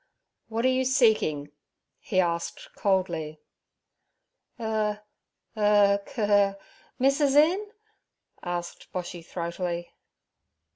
'What are you seeking?' he asked coldly. 'Ur—ur—khur, missis in?' asked Boshy throatily.